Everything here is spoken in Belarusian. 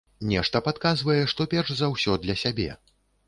Нешта падказвае, што перш за ўсё для сябе.